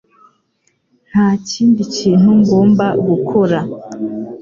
Nta kindi kintu ngomba gukora